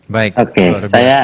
baik oke saya